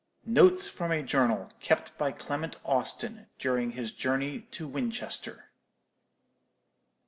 NOTES FROM A JOURNAL KEPT BY CLEMENT AUSTIN DURING HIS JOURNEY TO WINCHESTER.